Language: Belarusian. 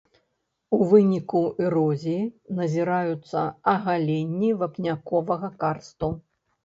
У выніку эрозіі назіраюцца агаленні вапняковага карсту.